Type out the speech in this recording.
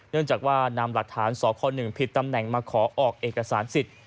เนื่องจากว่านำหลักฐานสค๑ผิดตำแหน่งมาขอออกเอกสารสิทธิ์